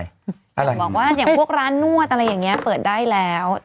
บอกว่าอย่างพวกร้านนวดอะไรอย่างนี้เปิดได้แล้ว